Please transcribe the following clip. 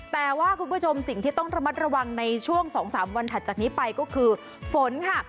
แต่ว่าคุณผู้ชมสิ่งที่ต้องระมัดระวังในช่วง๒๓วันถัดจากนี้ไปก็คือฝนค่ะ